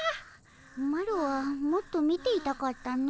マロはもっと見ていたかったの。